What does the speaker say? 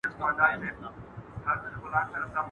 زېری مو راباندي ریشتیا سوي مي خوبونه دي.